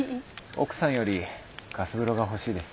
奥さんよりガス風呂が欲しいです。